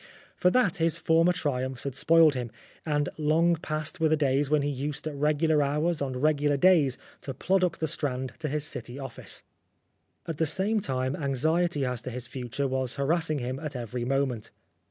For that his former triumphs had spoiled him, and long past were the days when he used at regular hours on regular days to plod up the Strand to his city office. At the same time, anxiety as to his future was harassing him at every moment.